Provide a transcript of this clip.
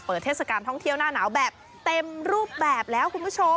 เทศกาลท่องเที่ยวหน้าหนาวแบบเต็มรูปแบบแล้วคุณผู้ชม